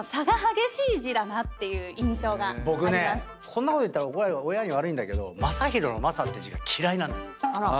僕ねこんなこと言ったら親に悪いんだけど昌宏の「昌」って字が嫌いなんです。